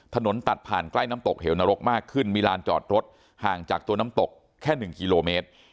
ถนนตัดผ่านใกล้น้ำตกเหวนรกมากขึ้นมีลานจอดรถห่างจากตัวน้ำตกแค่๑กิโลเมตร